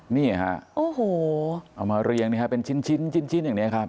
นี่ฮะโอ้โหเอามาเรียงเป็นชิ้นอย่างนี้ครับ